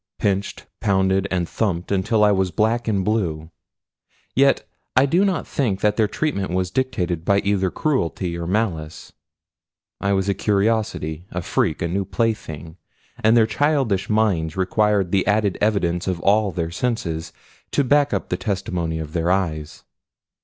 Pinched, pounded, and thumped until I was black and blue, yet I do not think that their treatment was dictated by either cruelty or malice I was a curiosity, a freak, a new plaything, and their childish minds required the added evidence of all their senses to back up the testimony of their eyes.